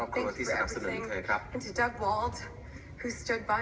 กับนักแสดงแถวหน้าทั้งหมด